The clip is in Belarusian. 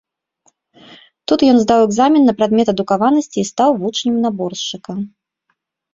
Тут ён здаў экзамен на прадмет адукаванасці і стаў вучнем наборшчыка.